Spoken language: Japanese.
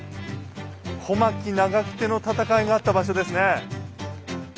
小牧・長久手の戦いがあった場所ですね。